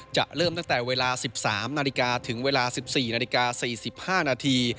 จะเริ่มตั้งแต่เวลา๑๓นาฬิกาถึงเวลา๑๔นาฬิกา๔๕นาที